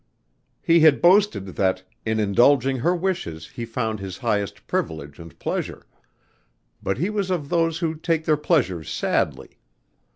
He had boasted that in indulging her wishes he found his highest privilege and pleasure, but he was of those who take their pleasures sadly.